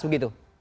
kalau kita lihat